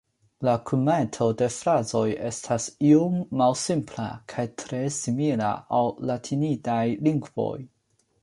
La kunmeto de frazoj estas iom malsimpla kaj tre simila al latinidaj lingvoj.